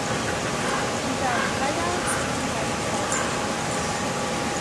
She found hideouts and provided false papers.